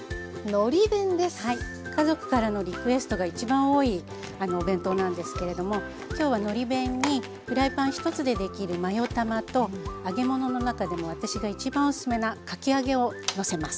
家族からのリクエストが一番多いお弁当なんですけれども今日はのり弁にフライパン１つでできるマヨ卵と揚げ物の中でも私が一番おすすめなかき揚げをのせます。